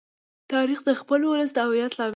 تاریخ د خپل ولس د امنیت لامل دی.